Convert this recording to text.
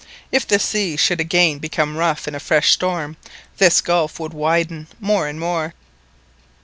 If the sea should again become rough in a fresh storm, this gulf would widen more and more.